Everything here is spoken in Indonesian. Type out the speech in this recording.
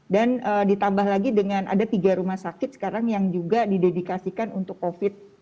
dan ditambah lagi dengan ada tiga rumah sakit sekarang yang juga didedikasikan untuk covid